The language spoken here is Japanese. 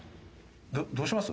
どうします？